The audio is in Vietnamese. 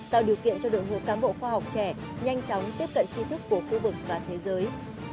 tạo điều kiện cho đội ngũ cán bộ khoa học trẻ nhanh chóng tiếp cận trí thức của khu vực và thế giới